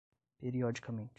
periodicamente